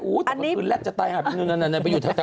อู๊แต่ว่าคุณแรกจะตายหากนึนไปอยู่ทะเตวนาว